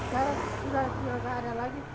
karena sudah tidak ada lagi